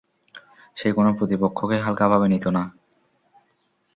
সে কোন প্রতিপক্ষকে হালকা ভাবে নিত না।